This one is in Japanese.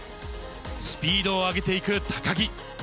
スピードを上げていく高木。